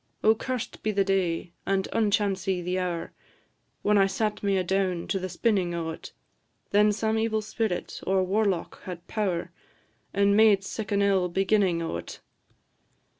"O curst be the day, and unchancy the hour, When I sat me adown to the spinnin' o't! Then some evil spirit or warlock had power, And made sic an ill beginnin' o't.